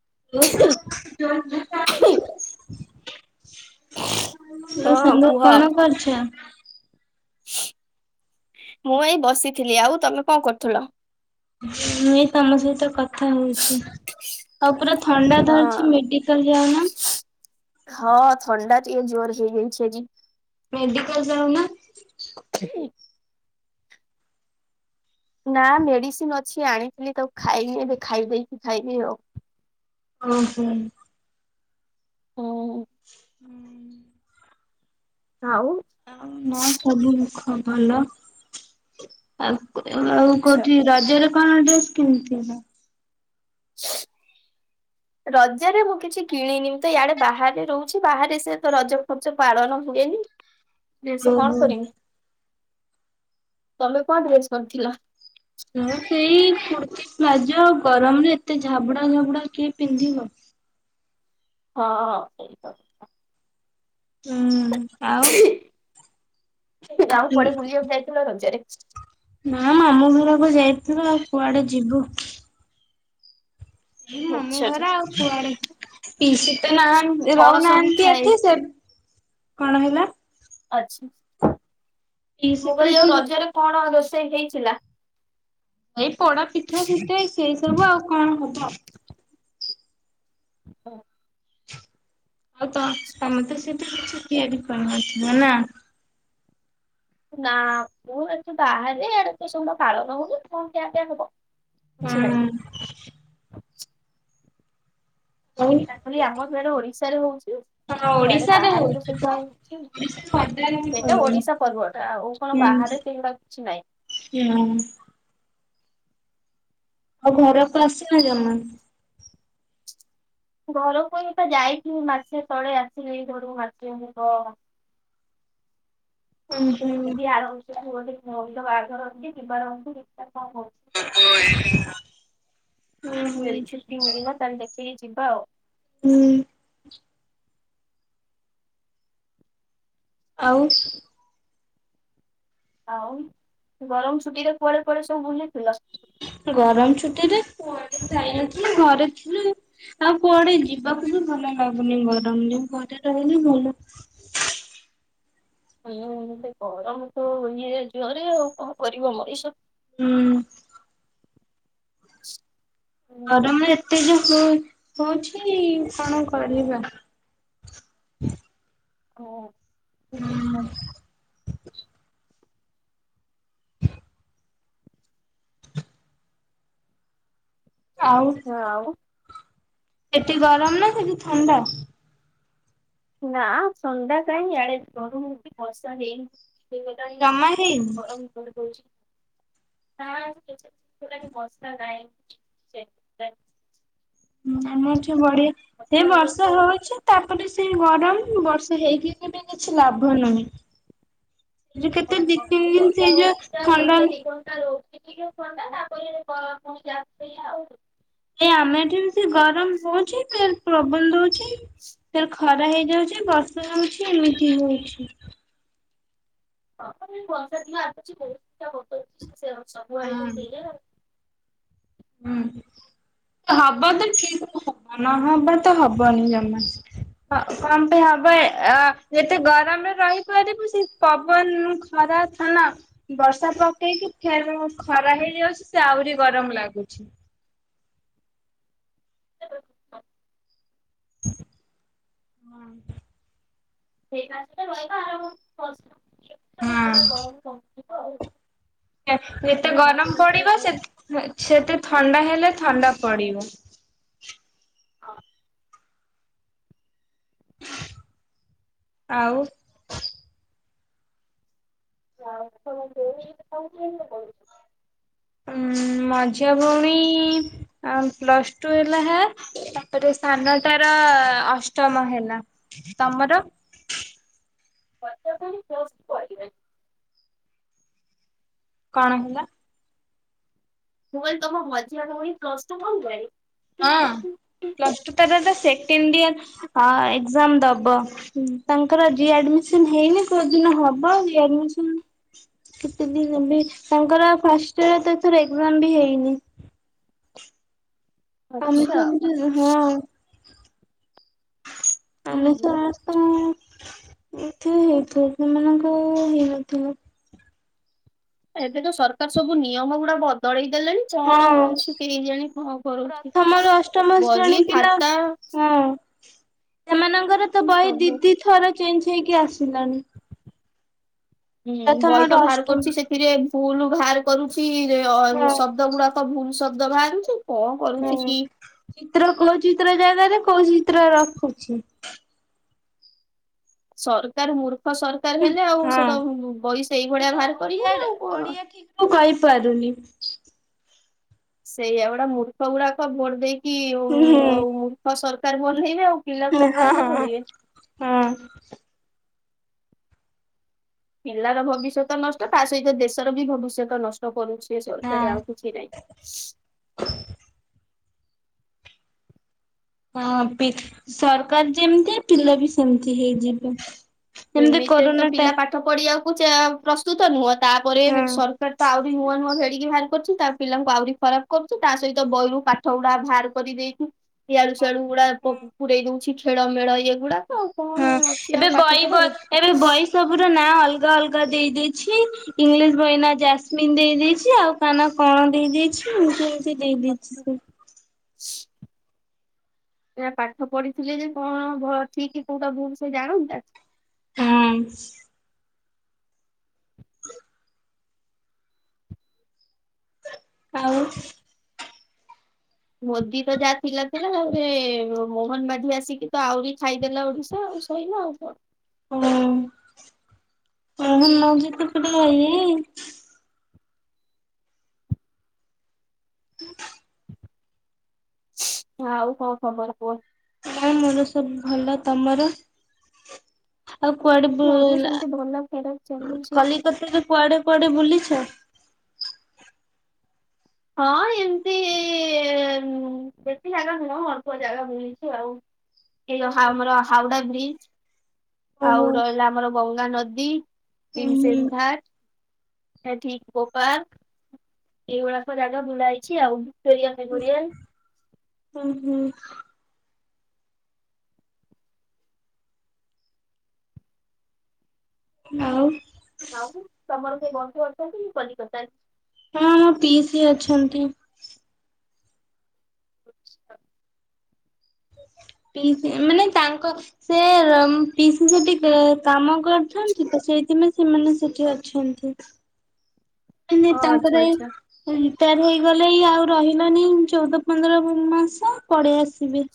Hello ହଁ [unintelligible] hello ସାଙ୍ଗ କୁହ କଣ କରୁଛ? ମୁଁ ଏଇ ବସିଥିଲି ଆଉ ତମେ କଣ କରୁଥୁଲ? ମୁଁ ଏଇ ତମ ସହିତ କଥା ହୋଉଚି। ଆଉ ପୁରା ଥଣ୍ଡା ହଁ ଧରିଚି ମେଡିକାଲ ଯାଉନ? ହଁ ଥଣ୍ଡା ଟିକେ ଜୋରେ ହେଇଯାଇଛି ଆଜି। ମେଡିକାଲ ଯାଉନ? ଖିଁ ନା ମେଡିସିନ ଅଛି ଆଣିଥିଲି ତାକୁ ଖାଇନି ଏବେ ଖାଇଦେଇକି ଖାଇବି ଆଉ। ଓହୋ। ହୁଁ ହୁଁ। ଆଉ ଆଉ ନା ସବୁ ମୁଖ ଭଲ ଆଉ ଆଉ ଆଛା। କୋଉଠି ରଜରେ କଣ ଡ୍ରେସ କିଣିଥିଲ? [inaudible] ରଜରେ ମୁଁ କିଛି କିଣିନି ମୁଁ ତ ୟାଡେ ବାହାରେ ରହୁଚି ବାହାରେ ସେ ତ ରଜ ଫଜ ପାଳନ ହୁଏନି। [inaudible] ଡ୍ରେସ କଣ ଓହୋ। କରିମି ତମେ କଣ ଡ୍ରେସ କରିଥିଲ। ମୁଁ ସେଇ କୁର୍ତି। ପ୍ଲାଯୋ ଆଉ ଗରମରେ ଏତେ ଝାବୁଡା ଝାବୁଡା କିଏ ପିନ୍ଧିବ। ହଁ ସେଇ କଥା। ହୁଁ ଆଉ। ଆଉ କୁଆଡେ ବୁଲିବାକୁ ଯାଇଥିଲ ରଜରେ? ଉଁ ଆଉ ମାମୁଁ ଘରକୁ ଯାଇଥିଲୁ ଆଉ କୁଆଡେ ଯିବୁ। ଏଇ ମାମୁଁ ଆଛା ଘର ଆଉ କୁଆଡେ। ପିସି ତ ନାହା ଏ କଣ ସବୁ ରହୁନାହାନ୍ତି ଥାଏ ଏଠି ସେ କଣ ହେଲା। ଆଚ୍ଛା ପିଇସି ମୁଁ ତ କହିଲି ଆଉ ଏଠି ରଜରେ କଣ ରୋଷ ଇ ହେଇଥିଲା। ଏଇ ପୋଡା ପିଠା ପିଠେ ସେଇ ସବୁ ଆଉ କଣ ହବ। ହଁ। ଆଉ ତ ତମେ ତ ସେଠି କିଛି ତିଆରି କରି ନଥିବ ନା। ନା ମୁଁ ଏଠୁ ବାହାରେ ଆଡେ ତ ସେଗୁଡା ପାଳନ ହଉନି କଣ ଖିଆ ପିଆ ହବ। କିଛି ନାହିଁ। ହୁଁ। ଖାଲି ଆମ ସିଆଡେ ଓଡିଶାରେ ହଉ ହଁ ଇଆଡେ ବାହାରେ ତ ସେଗୁଡ଼ା ହଉଛି ଓଡିଶା ପଦାରେ ବି ସେଇଟା ହଉନି। ଓଡିଶା ପର୍ବ ଏଟା ଆଉ କଣ ହୁଁ ବାହାରେ। ସେଗୁଡା କିଛି ନାଇଁ। ହୁଁ। ଆଉ ଘରକୁ ଆସିନ ଜମା। ଘରକୁ ହିଁ ତ ଯାଇଥିଲି ମାସେ ତଳେ ଆସିଲି ଘରୁ ମାସେ ହବ। [inaudible] ଉଁ ତ ହୁଁ ଯଦି ଆରମାସ ମୋର ଗୋଟେ ଭଉଣୀ ର ବାହାଘର ଅଛି ଯିବାର ଅଛି ଦେଖିବା। ଙ୍କ ହଉଚି। ଉଁ ହୁଁ ଯଦି ଛୁଟି ମିଳିଲା ତାହେଲେ ଦେଖିକି ଯିବା ଆଉ। ହୁଁ। ଆଉ। ଆଉ ଗରମ ଛୁଟିରେ କୁଆଡେ କୁଆଡେ ସବୁ ବୁଲିଥିଲ? ଗରମ ଛୁଟିରେ କୁଆଡେ ଯାଇନଥିଲୁ ଘରେ ଥିଲୁ। ଆଉ କୁଆଡେ ଯିବାକୁ ବି ଭଲ ଲାଗୁନି ଗରମରେ ଘରେ ରହିଲେ ଭଲ। [inaudible] ହୁଁ ଗରମ ତ ଇଏ ଜୋରେ ଆଉ କଣ କରିବ ମଣିଷ। ହୁଁ। ହୁଁ, ଗରମ ଏତେ ଯୋ ହ-ହଉଛି କଣ କରିବା। ହୁଁ ହଁ। [inaudible] ଆଉ ହଁ ଆଉ। ସେଠି ଗରମ ନା ସେଠି ଥଣ୍ଡା। ନା ଥଣ୍ଡା କାଇଁ ଇଆଡେ ଗରମ ହଉଚି ବର୍ଷା ହେଇନି। ହେଇଗଲାଣି ଜମା ହେଇନି ଗରମ ଜୋରେ ହଉଚି। ନା [inaudible] ବର୍ଷା ନାହିଁ ସେ। [inaudible] ହୁଁ ଆମ ଏଠି ବଢିଆ ସେ ବର୍ଷା ହେଇଯାଇଥିଲେ ହଉଛି ତାପରେ। ସେ ଗରମ ବର୍ଷା ହେଇକି ବି କିଛି ଲାଭ ନାହିଁ। ଯୋଉ ଓ କେତେ ଦି ହୋ ତିନି ଏଇ ଦିନ ବର୍ଷା ସେଇ ଯୋଉ ହଉଛି ତ ଘଣ୍ଟେ ଥଣ୍ଡା ଦି ଘଣ୍ଟା ରହୁ ଚି ଟିକେ ଥଣ୍ଡା ତାପରେ ବ ପୁଣି ଯାହାକୁ ସେୟା ଆଉ। ଏ ଆମେ ଏଠି ବେଶୀ ଗରମ ହଉଛି ଫେର ପ୍ରବନ ଦଉଚି ଫେର ଖ ଖରା ହେଇଯାଉଛି ବର୍ଷା ଯାଉଛି ଏମିତି ହାଉଛି ହଁ ବର୍ଷା ଦିନ ଆସୁଛି ବହୁତା ହଟଉଛି ସବୁ ହଁ ଆଇ ସେଇ ହୁଁ। ହବ ତ ଠିକ ହବ ନହବ ତ ହବନି ଜମା ହ କଣ ପାଇଁ ହବ ଯେତେ ଗରମରେ ରହିପାରିବ ସେ ପବନ ଥାନ ବର୍ଷା ପକେଇକି ଫେ ଖରା ହେଇଯାଉଛି, ସେ ଆହୁରି ଗରମ ଲାଗୁଛି [inaudible] [inaudible] ହଁ। ହଁ [unintelligible] ଯେତେ ଗରମ ମାସରେ ଟିକେ ପଡିବ ସେ ସେତେ ଥଣ୍ଡା ହେଲେ ଥଣ୍ଡା ପଡିବ। ହଁ। ଆଉ [unintelligible] ଉ ମଝିଆ ଭଉଣୀ ପ୍ଲସ ଟୁ ହେଲା ହେ ତାପରେ ସ୍ଥାନଟ ର ଅଷ୍ଟମ ହେଲା, ତମର? [unintelligible] କଣ ହେଲା? ମୁଁ କଇଲି ତମ ମଝିଆ ଭଉଣୀ ପ୍ଲସ ଟୁ ପଢ଼ିଲାଣି? ହଁ ପ୍ଲସ୍ ଟୁ ତାର ଏ ବେ ସେଖେଣ୍ଡ ଯିଏର ଏକ୍ଜାମ ଦବ। ତାଙ୍କର ରି ଆଡ଼ମିସନ ହେଇନି କଉ ଦିନ ହେବ। ରି ଆଡ଼ମିସନ କେତେ ତାଙ୍କର ଫ ଇର ଏ ବି ହେଇନି ଆମେ ଆଚ୍ଛା ସବୁ ହଁ ଆମେ ହୁଁ। ସର ତ ଏଠ ହେଇଥିବ ସେମାନଙ୍କ ହେଇନଥିବ ଏବେ ତ ସରକାର ସବୁ ନିୟମ ଗୁଡା ବଦଳେଇ ଦେଲେଣି କଣ ହଁ ହଉଛିୁ କେହି ଜାଣି କଣ କରୁଛି ପ୍ରଥମରୁ ଅଷ୍ଟମ ଶ୍ରେଣୀ ବହି ପିଲା ଖାତା ହଁ ସେମାନଙ୍କର ତ ବହି ସବୁ ଦିଦି ଥର ଚେଞ୍ଜ ହେଇକି ଆସିଲାଣି ହୁଁ ବହିତ ପ୍ରଥମରୁ ବାହାର ଅଷ୍ଟମ କରୁଛି ସେଥିରେ ଭୁଲ ବାହାର କରୁଛି ଯେ ହଁ ଶବ୍ଦ ଗୁଡାକ ଭୁଲ ଶବ୍ଦ ବାହାରୁଛି। କଣ ହୁଁ କରୁଛି କି ଚିତ୍ର କୋଉ ଚିତ୍ର ଜାଗାରେ କୋଉ ଚିତ୍ର ରଖୁଛି ସରକାର ମର୍ଖ ସରକାର ହେଲେ ଆଉ ହଁ। ସେ ତ ବଇସ ସେ ଏଇଭଳିଆ ତ ବାହାର କରିବ ଓଡିଆ ନା ଆଉ କଣ ଓଡିଆ ଠିକ ରୁ [inaudible] ସେଇଆ ଗୁଡା ମୂର୍ଖ ଗୁଡାକ ଭୋର ଦେଇକି ହଁ। ଆଉ ମୂର୍ଖ ବନେଇବେ ଆଉ ପିଲା କୋଉଠୁ ପାଠ ହଁ ପଢିବେ ହଁ। ପିଲାର ଭବିଷ୍ୟତ ନଷ୍ଟ ତା ସହିତ ଦେଶର ବି ଭବିଷ୍ୟତ ନଷ୍ଟ କରୁଛି ହଁ ଷରେ ଆଉ କିଛି ନାଇଁ। ହଁ ସରକାର ଯେମିତି ପିଲା ବି ସେମିତି ହେଇଯିବ ଏମିତିରେ ତ ପିଲା ପାଠ ପଢିବାକୁ ପ୍ରସ୍ତୁତ ନୁହଁ ତାପରେ ହଁ ସରକାର ତ ଆଉ। ଆହୁରି ନୂଆ ନୁଆଁ ଫେଡିକି ବାହାର କରୁଛି, ତା ପିଲାଙ୍କୁ ଆହୁରି ଖରାପ କରୁଛି ତା ସହିତ ବହିରୁ ପାଠ ଗୁଡା ବାହାର କରିଦେଇଛି ୟଆଡୁ ସଆଡୁ ଗୁଡା ହଁ। ପୁରରେଇ ଦଉଛି ଖେଳ ମେଳ ଇଏଗୁଡାକ କଣ ଅଛି ଆଉ ପା କ ଏବେ ବହି ସବ ର ନାଁ ଅଲଗା ଅଲଗା ଅଲଗା ଦେଇ ଦେଇଛି ଇଂଲିଶ ବହିନା ଜାସମିିନ ଦେଇ ଦେଇଛି ଆଉ କାନ କଣ ଦେଇ ଦେଇଛି ମୁ ମୁ ଦେଇ ଦଛିି ସେ ସେ ପାଠ ପଢିଥିଲେ ଯେ କଣ ଠିକ କୋଉଟା ଭୁଲ ସେ ଜାଣନ୍ତି ଆ ହୁଁ। ଆଉ। ମୋଦି ତ ଯାହା ଥିଲା ଥିଲା, ତାପରେ ମୋହନ ମାଝି ଆସିକି ତ ଆହୁରି ଖାଇଦେଲା ଓଡିଶା ଆଉ। ସଇଲା ଆଉ କଣ? ହଁ [unintelligible] ଆଉ କଣ ଖବର କୁହ? ନାଇଁ ମୋର ସବୁ ଭଲ, ତମର? ଆଉ କୁଆଡେ ବୁ ମୋର ସେମିତି ଭଲ ଖରାପ ଚାଲୁଛି। କଲିକତାରେ କୁଆଡେ କୁଆଡେ ବୁଲିଚ [unintelligible] ହଁ ଏମିତି ବେଶୀ ଜାଗା ନୁହଁ ଅଳପ ଜାଗା ବୁଲିଛି ଆଉ। ଏଇ ଯୋଉ ଆମର ହାୱାଡା ବ୍ରିଜ। ଓହୋ ଆଉ ରହିଲା ଆମର ଗଙ୍ଗା ନଦୀ ହୁଁ ହୁଁ [unintelligible] ହେଁ ଠିକ ଗୋପଲ୍ ଏଇଗୁଡାକ ଜାଗା ବୁଲାଇଛି ଆଉ ଭିକ୍ଟୋରିଆ ମେମୋରିଆଲ। ହୁଁ- ହୁଁ। ଆଉ। ମାଉସୀ ତମର କିଏ ବନ୍ଧୁ ଅଛନ୍ତି କି କଲିକତାରେ? ହୁଁ ପିଇସି ଅଛନ୍ତି। ପିଇସି ମାନେ ତାଙ୍କ ସେ ପିଇସି ସେଠି କାମ କରିୁଛନ୍ତି ତ। ସେଇଥିପାଇଁ ସେମାନେ ସେଠି ଅଛନ୍ତି। ମାନେ ଓ ଆଚ୍ଛା ତାଙ୍କର ଏଇ ଆଚ୍ଛା ସିଆଡେ ହେଇଗଲେଇ ଆଉ ରହିଲେନି ଚଉଦ ପନ୍ଦର ମାସ ପଳେଇ ଆସ ବି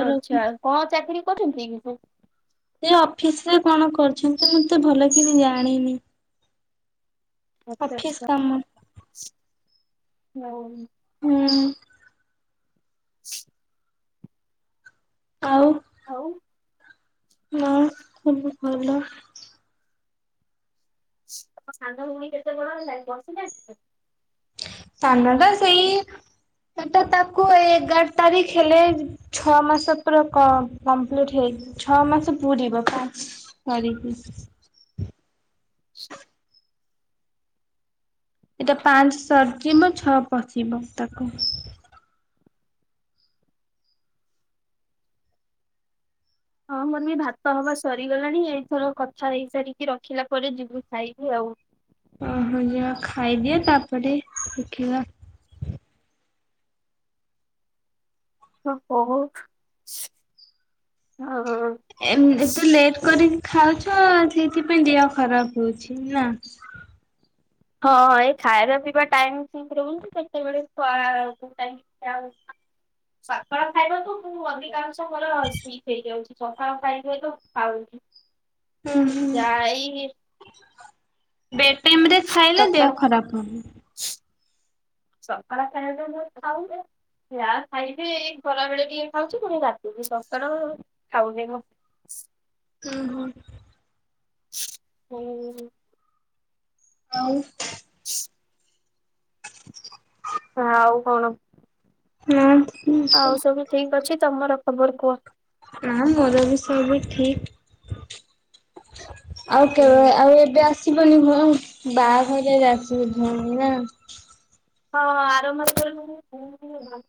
ଆଚ୍ଛା କଣ ଚାକିରି କରୁଛନ୍ତି କି ସେ? ସେ ଅଫିସ ରେ କଣ କରୁଛନ୍ତି, ମୁଁ ଏତେ ଭଲ କିନି ଜାଣିନି? ଆଚ୍ଛା ଅଫିସ୍ କାମ। ହଁ। ହୁଁ। ଆଉ। ହୁଁ ସବୁ ଭଲ। ତମ ସାଙ୍ଗ ଭୂମି କେତେ ବଡ ହେଲାଣି ବସିିଲାଣି? ସାନ ଟା ସେଇ ସେଟା ତାକୁ ଏଗାର ତାରିଖ ହେଲେ ଛଅ ମାସ ପୁର କମ୍ପ୍ଲିଟ ହେଇ ଛଅ ମାସ ପୁରିବ ପାଞ୍ଚ ତାରିଖକି। ଏଇଟା ପାଞ୍ଚ ସରିଯିବ ଛଅ ପଶିବ ତାକୁ। ହଁ ମୋର ବି ଭାତ ହବା ସରିଗଲାଣି, ଏଇଥର କଥା ହେଇ ସାରିକି ରଖିଲା ପରେ ଯିବୁ ଖାଇବୁ ଆଉ। [unintelligible] ଉଁ ହୁଁ ଯାଅ ଖାଇଦିଅ ତାପରେ ଶିଖିବା। ହଁ ବହୁତ୍ [unintelligible] ଏ ଏତେ ଲେଟ୍ କରି ଖାଉଛ ସେଇଥିପାଇଁ ଦେହ ଖରାପ ହଉଛି ନା। ହଁ ଏଇ ଖାଇବା ପିଇବା ଟାଇମ ସେମତି ରହୁନି ସେତେବେଳେ [unintelligible] ସକାଳ ଖାଇବା ତ ମୁଁ ଅଧିକାଂଶ ମୋର ସ୍ଲିପ୍ ହେଇଯାଉଛି ସକାଳ ଖାଇବା ତ ଖାଉନି। ହ ଯାଇ ବେଟାଇମରେ ଖାଇଲେ ଦେହ ଖରାପ ହବ। ସକାର ଚାହିଁଲେ କହିବେ। ଯାହା ଖାଇବି ଏଇ ଖରାବେଳେ ଟିକେ ଖାଉଛି ପୁଣି ରାତିକୁ ସକାଳ ଖାଉନି ମୁଁ। ବସ୍ ଉହ୍ନ। ହୁଁ। ଆଉ। ଆଉ କଣ ନା ଆଉ ସବୁ ଠିକ ଅଛି ତମର? ଖବର କୁହ? ନା ମୋର ବି ସେବି ଠିକ। ଆଉ ତ ହୁଁ। ଆଉ ଏବେ ଆସ ଆସିବନି ଭ ବାହାଘର ଯାଇ ଆସିବୁ ଭଉନି ନା। ହଁ ଆରମ୍ଭରୁ କହିଲିନି